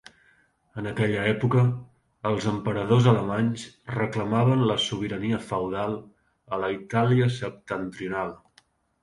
En aquella època, els emperadors alemanys reclamaven la sobirania feudal a la Itàlia septentrional.